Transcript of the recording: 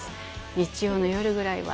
「日曜の夜ぐらいは」